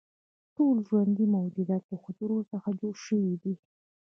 ټول ژوندي موجودات له حجرو څخه جوړ شوي دي